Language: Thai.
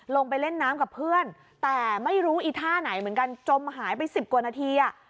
ลงไปเล่นน้ำกับเพื่อนแต่ไม่รู้อีท่าไหนเหมือนกันจมหายไปสิบกว่านาที